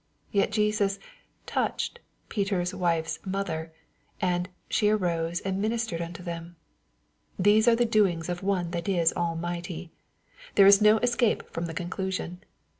Yet Jesus " touched" Peter's wife's mother, and " she arose, and ministered unto them," — These are the doings of one that is Almighty. There is no escape from the conclusion.